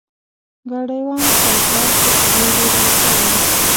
ګاډی وان خپل پلار ته په دې ډیر غوسه و.